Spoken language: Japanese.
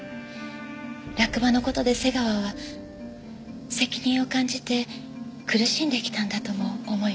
落馬の事で瀬川は責任を感じて苦しんできたんだとも思いました。